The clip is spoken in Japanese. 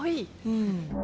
うん。